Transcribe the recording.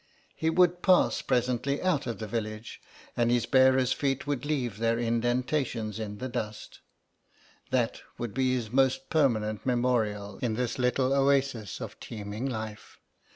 He would pass presently out of the village and his bearers' feet would leave their indentations in the dust; that would be his most permanent memorial in this little oasis of teeming life.